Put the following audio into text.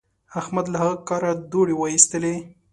احمد له هغه کاره دوړې واېستلې.